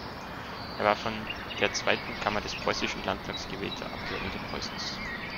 Er war von der Zweiten Kammer des Preußischen Landtags gewählter Abgeordneter Preußens.